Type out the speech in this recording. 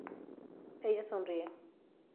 Ella sonríe.